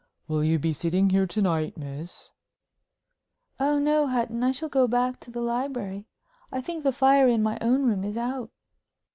"Will you be sitting here to night, miss?" "Oh no, Hutton. I shall go back to the library. I think the fire in my own room is out."